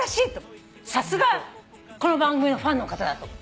さすがこの番組のファンの方だと。